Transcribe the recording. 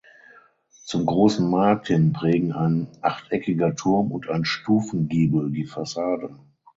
Zum Großen Markt hin prägen ein achteckiger Turm und ein Stufengiebel die Fassade.